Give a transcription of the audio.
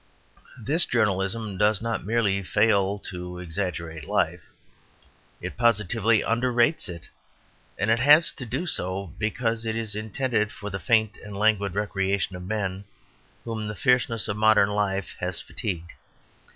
This journalism does not merely fail to exaggerate life it positively underrates it; and it has to do so because it is intended for the faint and languid recreation of men whom the fierceness of modern life has fatigued.